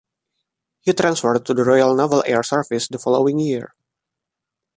He transferred to the Royal Naval Air Service the following year.